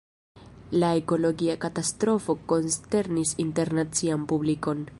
La ekologia katastrofo konsternis internacian publikon.